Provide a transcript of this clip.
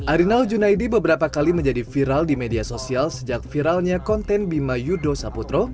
arinal junaidi beberapa kali menjadi viral di media sosial sejak viralnya konten bima yudho saputro